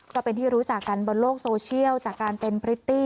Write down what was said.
ก็เป็นที่รู้จักกันบนโลกโซเชียลจากการเป็นพริตตี้